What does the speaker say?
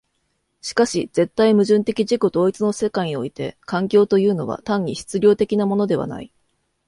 しかし絶対矛盾的自己同一の世界において環境というのは単に質料的なものではない。